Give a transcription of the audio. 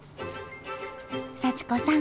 幸子さん